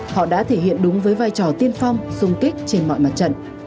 họ đã thể hiện đúng với vai trò tiên phong sung kích